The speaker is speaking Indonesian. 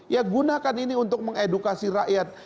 ya gunakan ini untuk mengedukasi rakyat